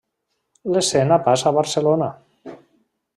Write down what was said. L'escena passa a Barcelona.